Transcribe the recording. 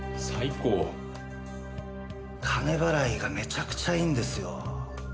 金払いがめちゃくちゃいいんですよ。